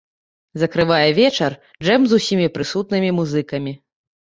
Закрывае вечар джэм з усімі прысутнымі музыкамі.